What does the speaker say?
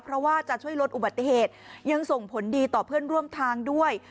เพราะว่าจะช่วยลดอุบัติเหตุยังส่งผลดีต่อเพื่อนร่วมทางด้วย